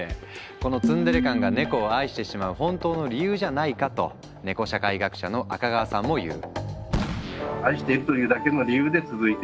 このツンデレ感がネコを愛してしまう本当の理由じゃないかとネコ社会学者の赤川さんも言う。